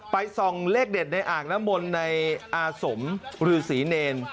ไปส่องเลขเด็ดในอ่างน้ำมนในอาสมหรือศรีเนร